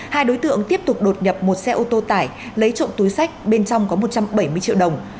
hai đối tượng tiếp tục đột nhập một xe ô tô tải lấy trộm túi sách bên trong có một trăm bảy mươi triệu đồng